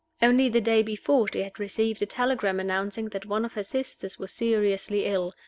Only the day before she had received a telegram announcing that one of her sisters was seriously ill.